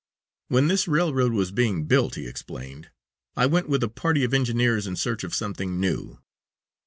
"When this railroad was being built," he explained, "I went with a party of engineers in search of something new.